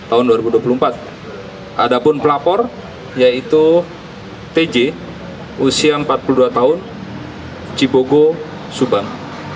ada pun pelapor yaitu tj usia empat puluh dua tahun cibogo subang